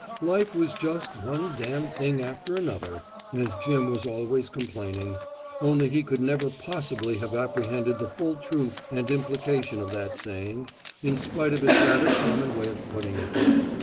Life was just one damn thing after another, as Jim was always complaining only he could never possibly have apprehended the full truth and implication of that saying in spite of its rather common way of putting it.